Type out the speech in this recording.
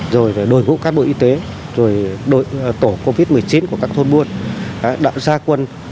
rồi đổi ngũ các bộ y tế rồi tổ covid một mươi chín của các thôn buôn đạo gia quân